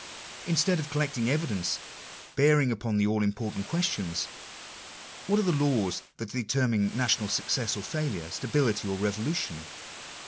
Instead of collecting evidence bearing upon the all important question — What are the laws that determine national success or failure, stability or revolution?